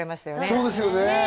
そうですよね